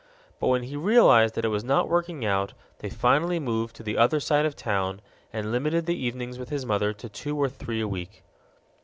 But when he realized that it was not working out, they finally moved to the other side of town and limited the evenings with his mother to two or three a week.